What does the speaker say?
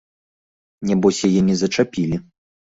Нябось яе не зачапілі.